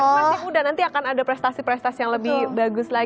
masih muda nanti akan ada prestasi prestasi yang lebih bagus lagi